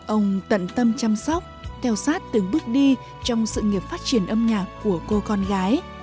ông tận tâm chăm sóc theo sát từng bước đi trong sự nghiệp phát triển âm nhạc của cô con gái